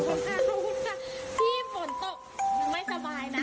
ขอบคุณมากค่ะ